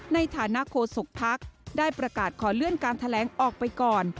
ในฐานะโคศกภักดิ์ได้ประกาศขอเลื่อนการแถลงออกไปก่อน